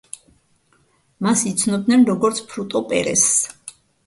მას იცნობდნენ, როგორც ფრუტო პერესს.